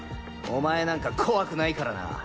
お前なんか怖くないからな！